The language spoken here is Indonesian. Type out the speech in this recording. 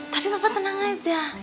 tapi papa tenang aja